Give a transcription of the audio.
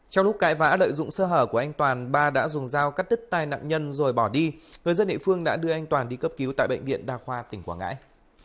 trong lúc cãi vã lợi dụng sơ hở của anh toàn ba đã dùng dao cắt đứt tai nạn nhân rồi bỏ đi người dân địa phương đã đưa anh toàn đi cấp cứu tại bệnh viện đa khoa tỉnh quảng ngãi